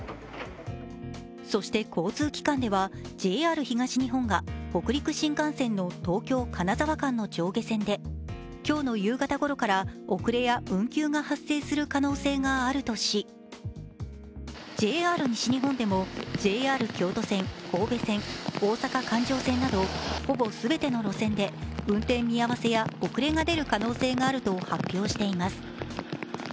そして交通機関ではＪＲ東日本が北陸新幹線の東京−金沢間の上下線で今日の夕方ごろから遅れや運休が出る可能性があるとしＪＲ西日本でもＪＲ京都線、神戸線、ほぼ全ての路線で運転見合せや遅れが出る可能性があると発表しています。